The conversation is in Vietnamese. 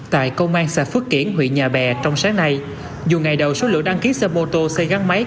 tại công an xã phước kiển huyện nhà bè trong sáng nay dù ngày đầu số lượng đăng ký xe mô tô xe gắn máy